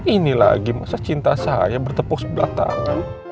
ini lagi masa cinta saya bertepuk sebelah tangan